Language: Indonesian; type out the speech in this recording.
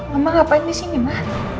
mama ngapain disini ma